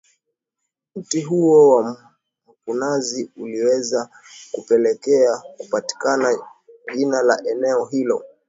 Mti huo wa mkunazi uliweza kupelekea kupatikana jina la eneo hilo